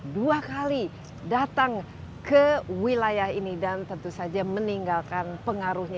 dua kali datang ke wilayah ini dan tentu saja meninggalkan pengaruhnya